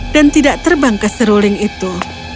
dan tidak terbang ke seruling itu